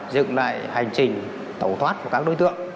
dựng lại hành trình tẩu thoát của các đối tượng